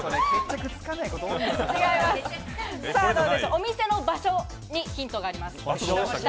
お店の場所にヒントがあります。